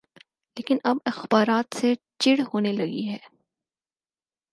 لیکن اب اخبارات سے چڑ ہونے لگی ہے۔